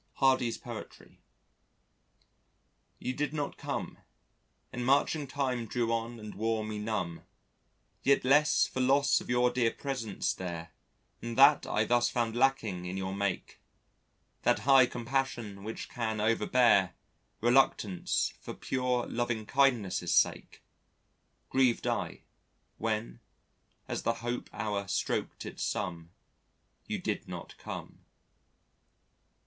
Hardy's Poetry "You did not come, And marching time drew on and wore me numb Yet less for loss of your dear presence there Than that I thus found lacking in your make That high compassion which can overbear Reluctance for pure loving kindness' sake Grieved I, when, as the hope hour stroked its sum, You did not come."